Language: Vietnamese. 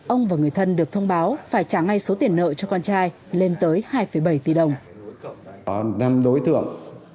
ông và người thân được thông báo phải trả ngay số tiền nợ cho con trai lên tới hai bảy tỷ đồng